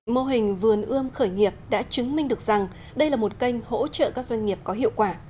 mô hình vườn ươm khởi nghiệp đã chứng minh được rằng đây là một kênh hỗ trợ các doanh nghiệp có hiệu quả